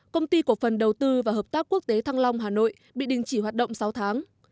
công ty cổ phần đầu tư và hợp tác quốc tế thăng long hà nội bị đình chỉ hoạt động sáu tháng